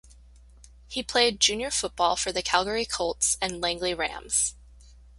He played junior football for the Calgary Colts and Langley Rams.